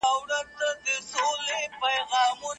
وحې په غار کي نازله سوه.